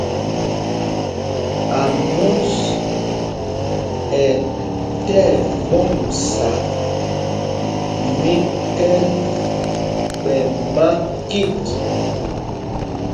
Ámos ɛ tí ɛɓɔmsa míkɛ̂l ɓɛ makit.